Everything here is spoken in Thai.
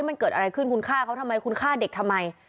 มันเกิดอะไรขึ้นอยากฆ่าเด็กทำไม